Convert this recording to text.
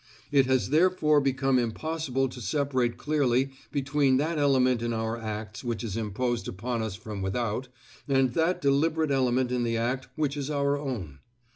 It has therefore become impossible to separate clearly between that element in our acts which is imposed upon us from without, and that deliberate element in the act which is our own.